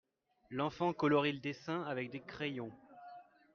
L'enfant colorie le dessin avec des crayons.